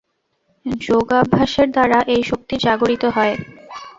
যোগাভ্যাসের দ্বারা এই শক্তি জাগরিত হয়।